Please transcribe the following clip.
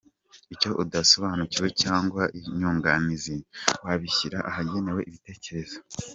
Icyo udasobanukiwe cyangwa inyunganizi wabishyira ahagenewe ibitekerezo.